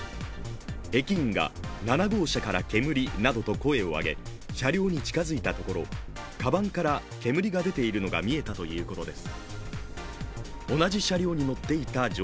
駅員が７号車から煙などと声を上げ車両に近づいたところかばんから煙が出ているのが見えたということです。